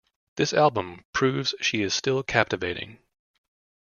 This album, proves she is still captivating.